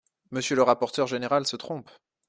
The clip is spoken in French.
Monsieur le rapporteur général se trompe.